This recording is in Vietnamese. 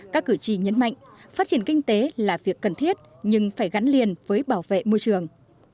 các cử tri nhấn mạnh phát triển kinh tế là việc cần thiết nhưng phải gắn liền với bảo vệ môi trường